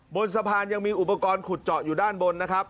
บนสะพานยังมีอุปกรณ์ขุดเจาะอยู่ด้านบนนะครับ